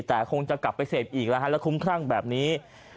แต่คงจะกลับไปเสพอีกแล้วคุ้มคร่างแบบนี้